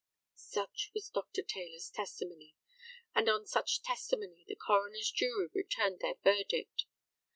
Such was Dr. Taylor's testimony; and on such testimony the coroner's jury returned their verdict.